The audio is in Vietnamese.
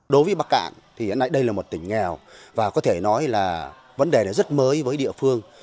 đối với bắc cạn thì hiện nay đây là một tỉnh nghèo và có thể nói là vấn đề này rất mới với địa phương